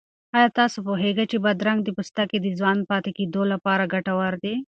آیا تاسو پوهېږئ چې بادرنګ د پوستکي د ځوان پاتې کېدو لپاره ګټور دی؟